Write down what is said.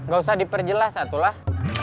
gak usah diperjelas satulah